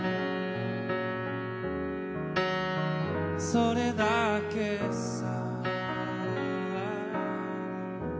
「それだけさ」